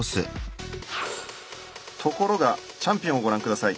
ところがチャンピオンをご覧下さい。